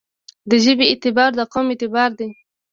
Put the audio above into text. دژبې اعتبار دقوم اعتبار دی.